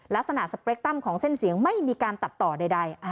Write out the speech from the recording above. ๑ลักษณะสเปคตรัมของเส้นเสียงไม่มีการตัดต่อใด